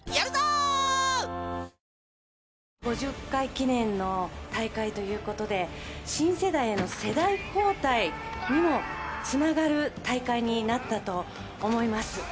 ５０回記念の大会ということで新世代への世代交代にもつながる大会になったと思います